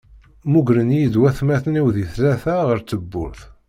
Mmugren-iyi-d watmaten-iw di tlata ɣer tewwurt.